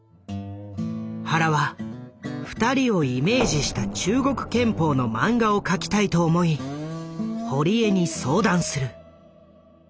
原は２人をイメージした中国拳法の漫画を描きたいと思い堀江に相談する。